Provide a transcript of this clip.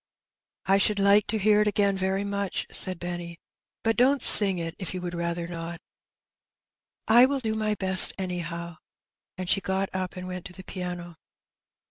" I ahoald like to hear it again rery much," Eaid Benny ;" bat don't sing it if yon would rather not." " I will do my beet, anyhow ;" and she got up and went to the piano.